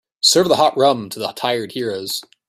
Serve the hot rum to the tired heroes.